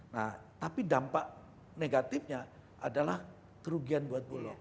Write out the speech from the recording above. nah tapi dampak negatifnya adalah kerugian buat bulog